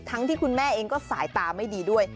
ที่คุณแม่เองก็สายตาไม่ดีด้วย